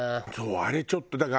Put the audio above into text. そうあれちょっと。